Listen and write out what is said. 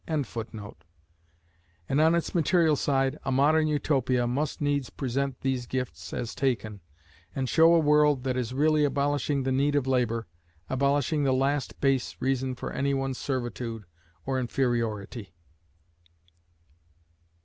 ] And on its material side a modern Utopia must needs present these gifts as taken, and show a world that is really abolishing the need of labour, abolishing the last base reason for anyone's servitude or inferiority.